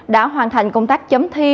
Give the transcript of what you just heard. đã hoàn thành công tác chấm thi